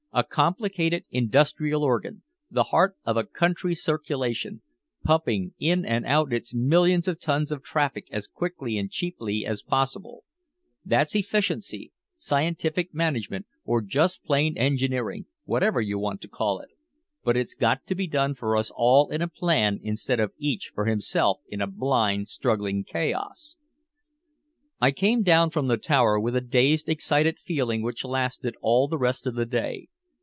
"A complicated industrial organ, the heart of a country's circulation, pumping in and out its millions of tons of traffic as quickly and cheaply as possible. That's efficiency, scientific management or just plain engineering, whatever you want to call it. But it's got to be done for us all in a plan instead of each for himself in a blind struggling chaos." I came down from the tower with a dazed, excited feeling which lasted all the rest of the day.